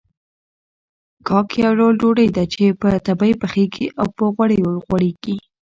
کاک يو ډول ډوډۍ ده چې په تبۍ پخېږي او په غوړيو غوړېږي.